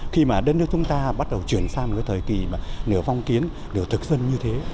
khi mà đất nước chúng ta bắt đầu chuyển sang một cái thời kỳ mà nửa vong kiến đều thực dân như thế